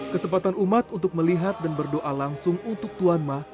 kesempatan umat untuk melihat dan berdoa langsung untuk tuan ma